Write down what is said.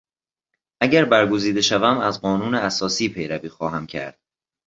اگر برگزیده شوم از قانون اساسی پیروی خواهم کرد.